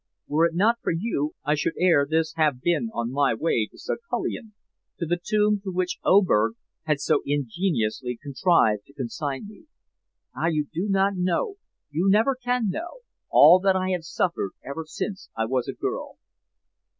Were it not for you, I should ere this have been on my way to Saghalien, to the tomb to which Oberg had so ingeniously contrived to consign me. Ah! you do not know you never can know all that I have suffered ever since I was a girl."